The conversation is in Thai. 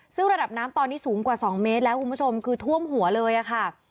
ซึ่งระดับน้ำตอนนี้สูงกว่า๒เมตรแล้วคุณผู้ชมคือท่วมหัวเลยค่ะ